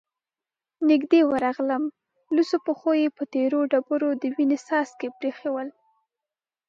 نږدې ورغلم، لوڅو پښو يې په تېرو ډبرو د وينو څاڅکې پرېښي ول،